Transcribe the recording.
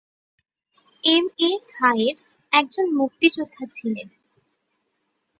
M A Khayer একজন মুক্তিযোদ্ধা ছিলেন।